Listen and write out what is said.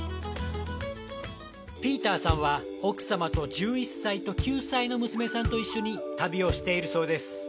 ピーターさんは奥様と１１歳と９歳の娘さんと一緒に旅をしているそうです。